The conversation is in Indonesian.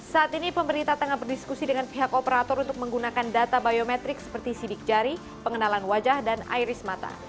saat ini pemerintah tengah berdiskusi dengan pihak operator untuk menggunakan data biometrik seperti sidik jari pengenalan wajah dan iris mata